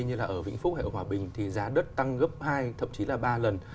như là ở vĩnh phúc hay ở hòa bình thì giá đất tăng gấp hai thậm chí là ba lần